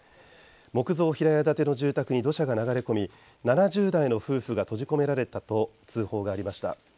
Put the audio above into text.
木造平屋建ての住宅に土砂が流れ込み７０代の夫婦が閉じ込められたと通報がありました。